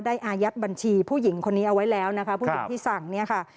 อายัดบัญชีผู้หญิงคนนี้เอาไว้แล้วนะคะผู้หญิงที่สั่งเนี่ยค่ะ